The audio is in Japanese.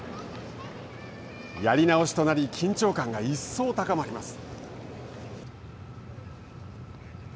やり直しとなり緊張感が一層高まります。